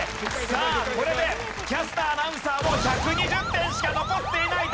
さあこれでキャスター・アナウンサーもう１２０点しか残っていない。